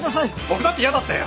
僕だって嫌だったよ！